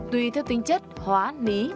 tuy theo tính chất hóa lý